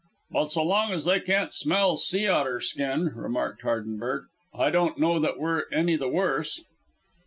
_ "But so long as they can't smell sea otter skin," remarked Hardenberg, "I don't know that we're any the worse."